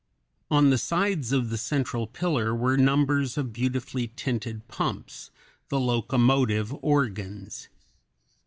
On the sides of the central pillar were numbers of beautifully tinted pumps, the locomotive organs.